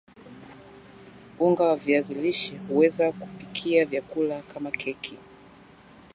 unga wa viazi lishe huweza kupikia vyakula kama keki